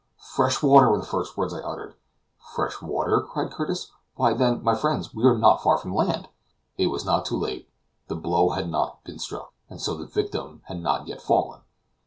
"Fresh water!" were the first words I uttered. "Fresh water?" cried Curtis; "why then, my friends, we are not far from land!" It was not too late: the blow had not been struck, and so the victim had not yet fallen.